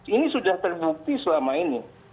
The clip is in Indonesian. ini sudah terbukti selama ini